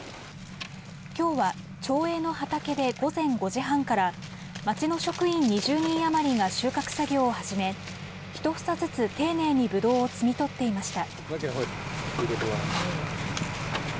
きょうは町営の畑で午前５時半から町の職員２０人余りが収穫作業を始めひと房ずつ、丁寧にぶどうを摘み取っていました。